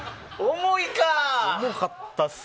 重かったっすね。